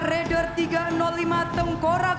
raider tiga ratus lima tengkorak